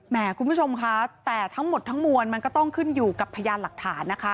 คุณผู้ชมค่ะแต่ทั้งหมดทั้งมวลมันก็ต้องขึ้นอยู่กับพยานหลักฐานนะคะ